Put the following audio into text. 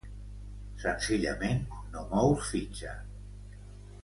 Senzillament no mous fitxa.